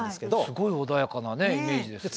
すごい穏やかなイメージです。